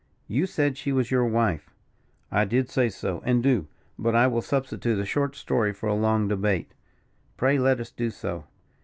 "You said she was your wife." "I did say so, and do. But I will substitute a short story for a long debate." "Pray let us do so."